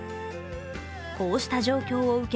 こうした状況を受け